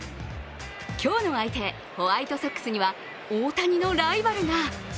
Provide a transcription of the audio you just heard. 今日の相手、ホワイトソックスには大谷のライバルが。